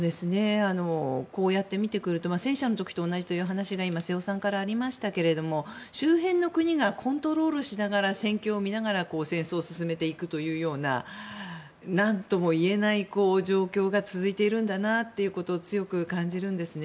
こうやってみてくると戦車の時と同じという話が今、瀬尾さんからありましたが周辺の国がコントロールしながら戦況を見ながら戦争を進めていくというような何とも言えない状況が続いているんだなということを強く感じるんですね。